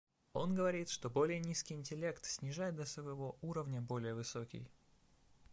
Он говорит, что более низкий интеллект снижает до своего уровня более высокий.